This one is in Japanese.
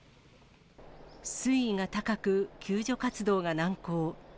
水位が高く、救助活動が難航。